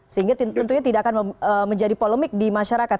sehingga tentunya tidak akan menjadi polemik di masyarakat